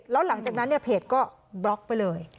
แล้วหลังจากนั้นเนี่ยเพจก็บล็อกไปเลย